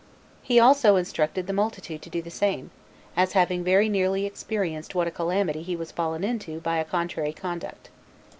He also instructed the multitude to do the same, as having very nearly experienced what a calamity he was fallen into by a contrary conduct.